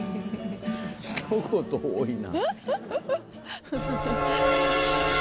ひと言多いな。